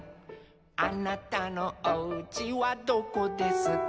「あなたのおうちはどこですか」